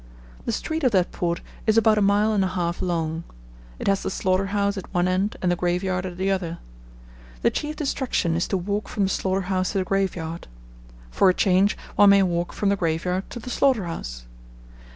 The street of that port is about a mile and a half long. It has the slaughter house at one end and the graveyard at the other. The chief distraction is to walk from the slaughter house to the graveyard. For a change one may walk from the graveyard to the slaughter house.